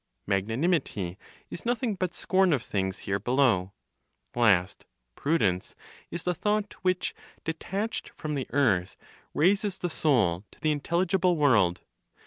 Magnanimity is nothing but scorn of things here below. Last, prudence is the thought which, detached from the earth, raises the soul to the intelligible world.